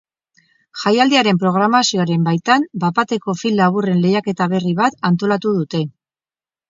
Jaialdiaren programazioaren baitan bat-bateko film laburren lehiaketa berri bat antolatu dute.